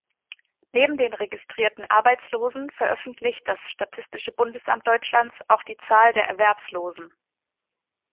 Neben den registrierten Arbeitslosen veröffentlicht das Statistische Bundesamt Deutschlands auch die Zahl der "Erwerbslosen".